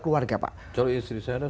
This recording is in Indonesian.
keluarga pak kalau istri saya